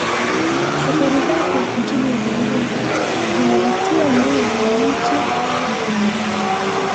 Safari zake nchini Uholanzi ziliwatia moyo wananchi na kuungana